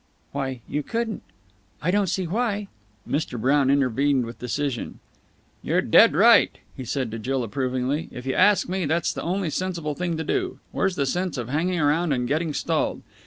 "Why, you couldn't!" "I don't see why." Mr. Brown intervened with decision. "You're dead right," he said to Jill approvingly. "If you ask me, that's the only sensible thing to do. Where's the sense of hanging around and getting stalled?